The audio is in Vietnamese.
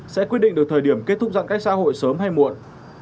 sẽ quyết định được thời điểm kết thúc giãn cách xã hội sớm hay muộn